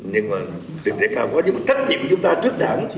nhưng mà tình trạng cao quá nhưng mà trách nhiệm của chúng ta trước đảng